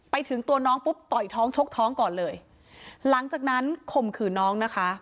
ไปถึงตัวน้องปุ๊บต่อยท้องชกท้องก่อนเลยหลังจากนั้นข่มขืนน้องนะคะ